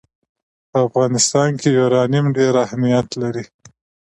په افغانستان کې یورانیم ډېر اهمیت لري.